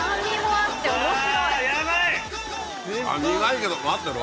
あ苦いけど待ってろ。